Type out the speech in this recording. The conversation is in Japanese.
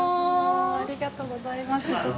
いやもうありがとうございます。